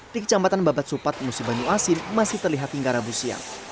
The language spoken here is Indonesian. di kecambatan babat supat musibanyu asin masih terlihat hingga rabu siang